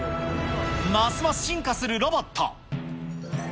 ますます進化するロボット。